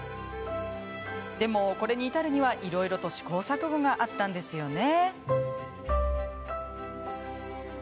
でも、これに至るにはいろいろと試行錯誤があったんですよね。